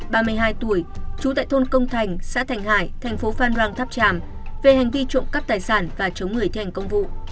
ba mươi hai tuổi trú tại thôn công thành xã thành hải thành phố phan rang tháp tràm về hành vi trộm cắp tài sản và chống người thi hành công vụ